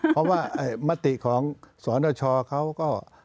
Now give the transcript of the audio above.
เพราะว่ามติของสนชเขาก็